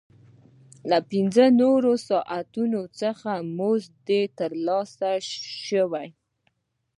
له پنځه نورو ساعتونو څخه مزد نه دی ترلاسه شوی